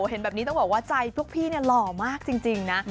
เห็นแบบนี้ต้องบอกว่าใจพวกพี่หล่อมากจริงนะ